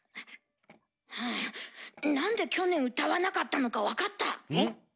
ハァなんで去年歌わなかったのか分かった。